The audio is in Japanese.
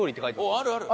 あるある。